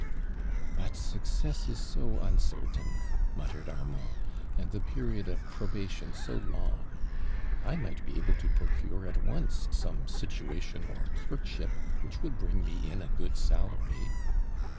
'" "But success is so uncertam," muttered Armand, '• and the jieriod of j^robation so long. 1 might be able to jirocure at once .>?omo situation or clerkship which would bring me in a good salary.''